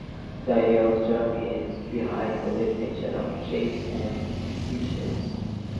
The idea of germ is behind the definition of sheaves and presheaves.